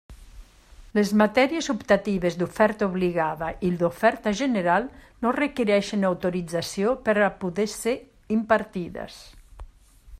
Les matèries optatives d'oferta obligada i d'oferta general no requerixen autorització per a poder ser impartides.